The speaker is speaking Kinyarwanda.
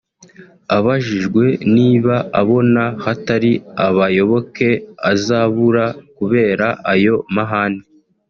Abajijwe niba abona hatari abayoboke azabura kubera ayo mahame